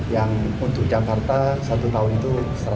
yang untuk jakarta satu tahun itu seratus